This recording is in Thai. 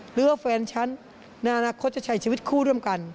หรือว่าแฟนฉันในอนาคตจะใช้ชีวิตคู่ร่วมกัน